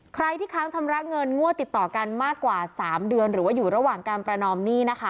ใครที่ค้างชำระเงินงวดติดต่อกันมากกว่า๓เดือนหรือว่าอยู่ระหว่างการประนอมหนี้นะคะ